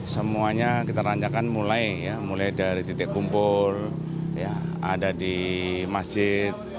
semuanya kita ranjakan mulai ya mulai dari titik kumpul ada di masjid